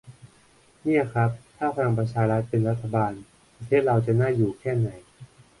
"เนี่ยครับ ถ้าพลังประชารัฐเป็นรัฐบาล ประเทศเราจะน่าอยู่แค่ไหน"